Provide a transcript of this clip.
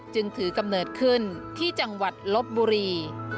จึงถือกำเนิดขึ้นที่จังหวัดลบบุรี